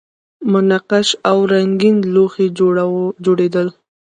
منقش او رنګین لوښي جوړیدل